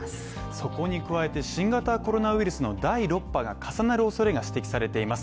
そこに加えて新型コロナウイルスの第６波が重なる恐れが指摘されています。